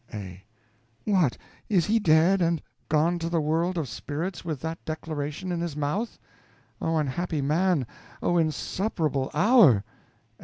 A. What, he is dead, and gone to the world of spirits with that declaration in his mouth? Oh, unhappy man! Oh, insupportable hour!